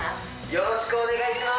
よろしくお願いします！